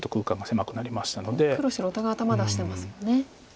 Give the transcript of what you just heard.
黒白お互い頭出してますもんね。